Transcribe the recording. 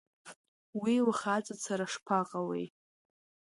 Уи лхаҵацара шԥаҟалеи?